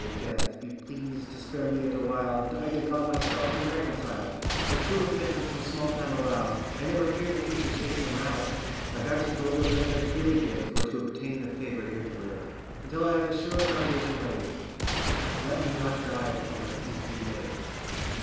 Death, be pleased to spare me yet awhile, That I to God myself may reconcile, For true repentance some small time allow; I never feared a future state till now! My bags of gold and land I'd freely give, For to obtain the favour here to live, Until I have a sure foundation laid. Let me not die before my peace be made!